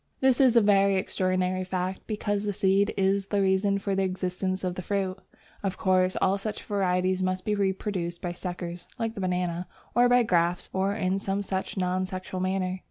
This is a very extraordinary fact, because the seed is the reason for the existence of the fruit. Of course, all such varieties must be reproduced by suckers (like the banana) or by grafts, or in some such non sexual manner.